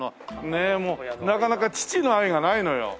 ねえもうなかなか「父の愛」がないのよ。